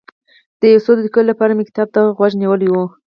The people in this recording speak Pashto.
د یو څو دقیقو لپاره مې کتاب ته غوږ نیولی و.